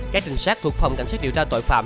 các trinh sát thuộc phòng cảnh sát điều tra tội phạm